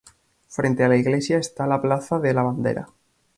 Frente a la Iglesia esta la Plaza de la Bandera.